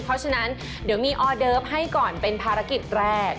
เพราะฉะนั้นเดี๋ยวมีออเดิฟให้ก่อนเป็นภารกิจแรก